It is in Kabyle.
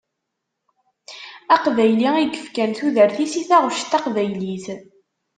Aqbayli i yefkan tudert-is i taɣuct taqbaylit.